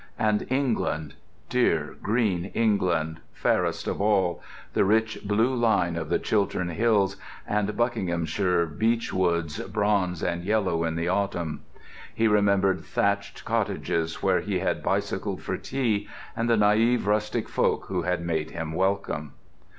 And England—dear green England, fairest of all—the rich blue line of the Chiltern Hills, and Buckinghamshire beech woods bronze and yellow in the autumn. He remembered thatched cottages where he had bicycled for tea, and the naïve rustic folk who had made him welcome.